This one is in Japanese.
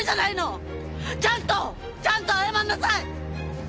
ちゃんとちゃんと謝りなさい！